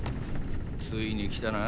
ついに来たな